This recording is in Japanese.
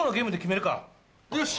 よし！